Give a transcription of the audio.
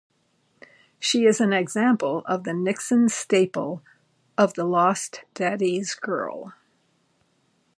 She is an example of the Nixon staple of the lost daddy's girl.